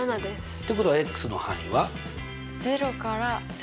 ってことはの範囲は？